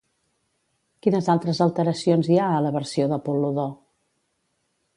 Quines altres alteracions hi ha a la versió d'Apol·lodor?